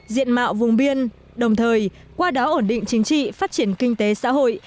diện mạo vùng biên đồng thời qua đó ổn định chính trị phát triển kinh tế xã hội